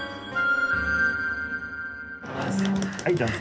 はいどうぞ。